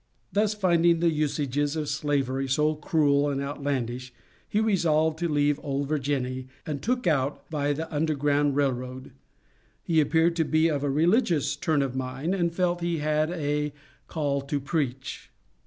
Thus, finding the usages of Slavery so cruel and outlandish, he resolved to leave "old Virginny" and "took out," via the Underground Rail Road. He appeared to be of a religious turn of mind and felt that he had "a call to preach."